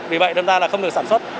vì vậy đâm ra là không được sản xuất